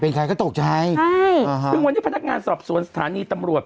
เป็นใครก็ตกใจใช่อ่าซึ่งวันนี้พนักงานสอบสวนสถานีตำรวจ